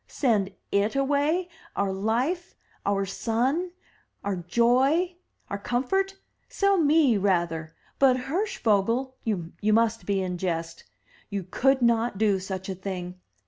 Send // away — our life, our sun, our joy, our comfort? Sell me rather. But Hirschvogel! You must be in jest. You could not do such a thing.